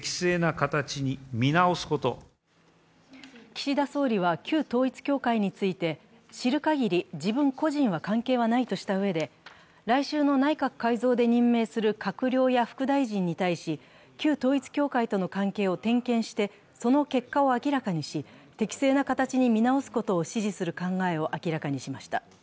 岸田総理は旧統一教会について知る限り、自分個人は関係はないとしたうえで来週の内閣改造で任命する閣僚や副大臣に対し旧統一教会との関係を点検してその結果を明らかにし、適正な形に見直すことを指示する考えを明らかにしました。